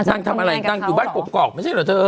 นางทำอะไรนางอยู่บ้านกรอกไม่ใช่เหรอเธอ